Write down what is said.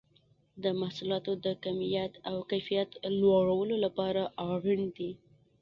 د محصولاتو د کمیت او کیفیت لوړولو لپاره اړین دي.